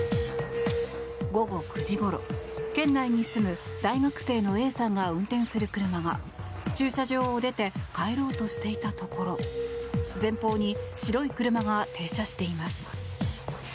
午後９時ごろ県内に住む大学生のＡさんが運転する車が、駐車場を出て帰ろうとしていたところ前方に白い車が停車しています。